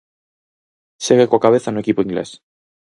Segue coa cabeza no equipo inglés.